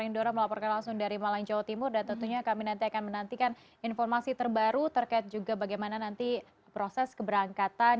indora melaporkan langsung dari malang jawa timur dan tentunya kami nanti akan menantikan informasi terbaru terkait juga bagaimana nanti proses keberangkatan